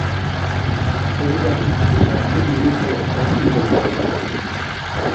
Sheridan, which had been used by the Cotton Belt Railroad.